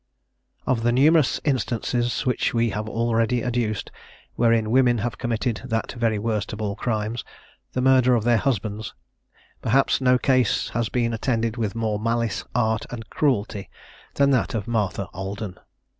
Of the numerous instances which we have already adduced, wherein women have committed that very worst of all crimes, the murder of their husbands, perhaps no case has been attended with more malice, art, and cruelty, than that of Martha Alden.